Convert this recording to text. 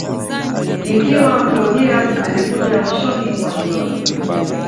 Ikiwa Claudius alikuja mwishoni mwa jioni